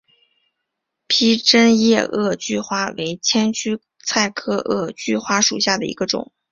披针叶萼距花为千屈菜科萼距花属下的一个种。